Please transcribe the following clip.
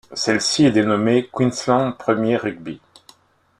Celle-ci est dénommée Queensland Premier Rugby.